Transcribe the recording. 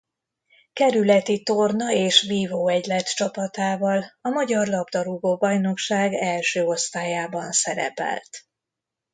Kerületi Torna és Vívó Egylet csapatával a magyar labdarúgó-bajnokság első osztályában szerepelt.